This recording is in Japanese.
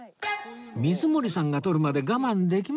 水森さんが採るまで我慢できませんかね